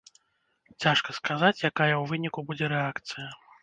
Цяжка сказаць, якая ў выніку будзе рэакцыя.